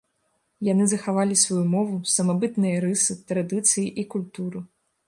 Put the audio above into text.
Яны захавалі сваю мову, самабытныя рысы, традыцыі і культуру.